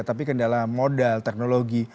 tapi kendala modal teknologi